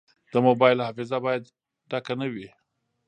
د موبایل حافظه باید ډکه نه وي.